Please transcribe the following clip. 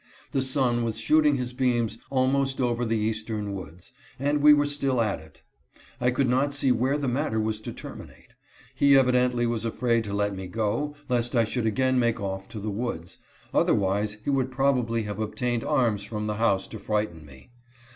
The sun was shooting his beams almost over the eastern woods, and we were still at it. I could not see where the matter was to terminate. He evidently was afraid to let me go, lest I should again make off to the woods, otherwise he would probably have obtained arms from the house to frighten me.